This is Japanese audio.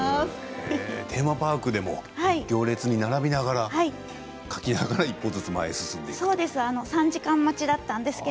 テーマパークでも行列に並びながら書きながら一歩ずつ前に進んでいったんですか？